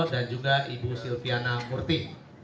dan juga ibu silviana murti